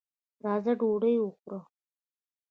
راځه ډوډۍ وخورو.